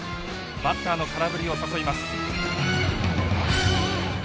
バッターの空振りを誘います。